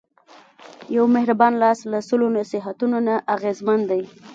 یو مهربان لاس له سلو نصیحتونو نه اغېزمن دی.